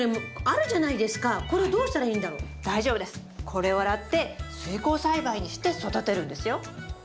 これを洗って水耕栽培にして育てるんですよ。